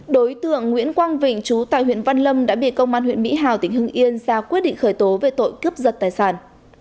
đối tượng nguyễn quang vịnh chú tại huyện văn lâm đã bị công an huyện mỹ hào tỉnh hưng yên ra quyết định khởi tố về tội cướp giật tài sản